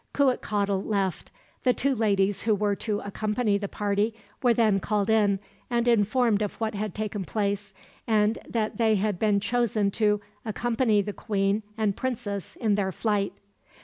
Cuitcatl left. The two ladies who were to accompany the party were then called in, and informed of what had taken place, and that they had been chosen to accompany the queen and princess in their flight.